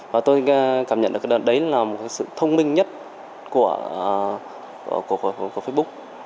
và tôi cảm nhận được cái đồng tiền đấy là một sự thông minh nhất của facebook